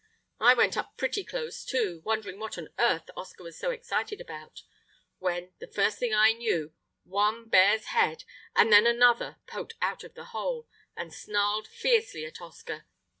I went up pretty close, too, wondering what on earth Oscar was so excited about, when, the first thing I knew, one bear's head and then another poked out of the hole, and snarled fiercely at Oscar.